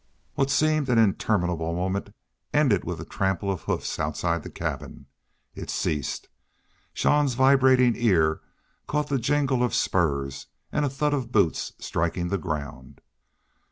What seemed an interminable moment ended with a trample of hoofs outside the cabin. It ceased. Jean's vibrating ears caught the jingle of spurs and a thud of boots striking the ground.